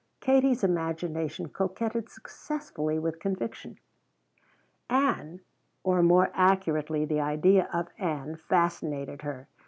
Katie's imagination coquetted successfully with conviction. Ann, or more accurately the idea of Ann, fascinated her.